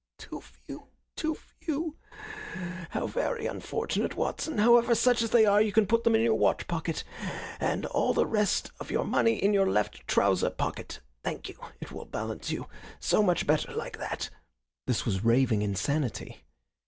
"Ah, too few! Too few! How very unfortunate, Watson! However, such as they are you can put them in your watchpocket. And all the rest of your money in your left trouser pocket. Thank you. It will balance you so much better like that." This was raving insanity.